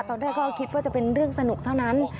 ตอนแรกก็คิดว่าจะเป็นเรื่องสนุกเท่านั้น